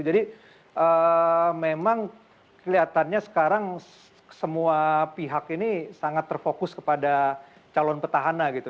jadi memang kelihatannya sekarang semua pihak ini sangat terfokus kepada calon petahana gitu